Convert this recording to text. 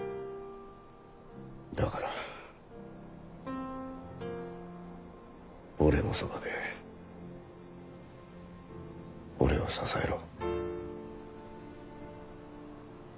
だから俺のそばで俺を支えろ。